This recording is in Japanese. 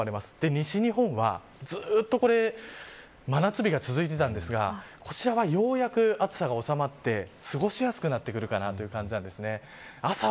西日本は、ずっとこれ真夏日が続いていたんですがこちらは、ようやく暑さが収まって過ごしやすくなってくるかなという感じなんですね。